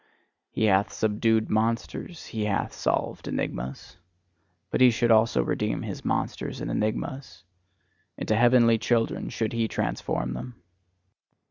He hath subdued monsters, he hath solved enigmas. But he should also redeem his monsters and enigmas; into heavenly children should he transform them.